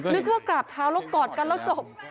นึกว่ากราบเท้าแล้วกอดกันแล้วจบ